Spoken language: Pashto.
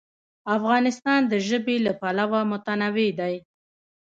افغانستان د ژبې له پلوه متنوع دی.